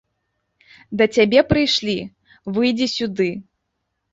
Да цябе прыйшлі, выйдзі сюды!